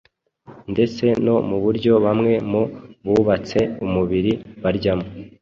ndetse no mu buryo bamwe mu bubatse umubiri baryamo,